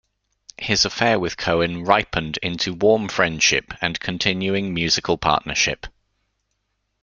His affair with Cohen ripened into warm friendship and continuing musical partnership.